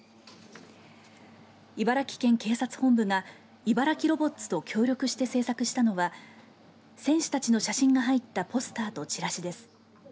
茨城県警察本部が茨城ロボッツと協力して制作したのは選手たちの写真が入ったポスターとチラシです。